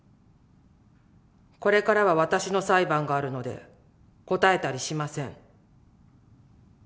これからは私の裁判があるので、答えたりしません。